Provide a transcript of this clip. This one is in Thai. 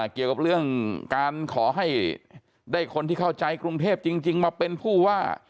เกี่ยวกับเรื่องการขอให้ได้คนที่เข้าใจกรุงเทพจริงมาเป็นผู้ว่า